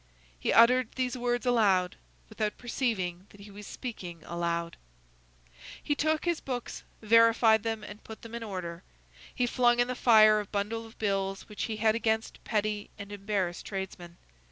He uttered these words aloud, without perceiving that he was speaking aloud. He took his books, verified them, and put them in order. He flung in the fire a bundle of bills which he had against petty and embarrassed tradesmen.